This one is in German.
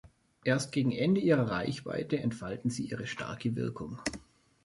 Erst gegen Ende ihrer Reichweite entfalten sie ihre starke Wirkung.